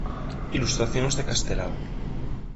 Ilustracións de Castelao.